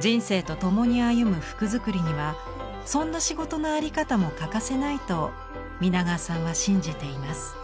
人生と共に歩む服作りにはそんな仕事の在り方も欠かせないと皆川さんは信じています。